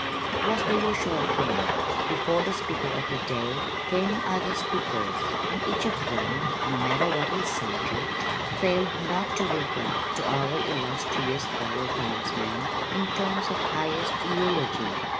It was the usual thing. Before the Speaker of the Day came other speakers, and each of them, no matter what his subject, failed not to refer to "our illustrious fellow townsman" in terms of highest eulogy.